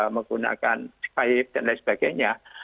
menggunakan skype dan lain sebagainya